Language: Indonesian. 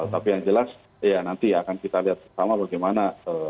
tapi yang jelas ya nanti akan kita lihat sama bagaimana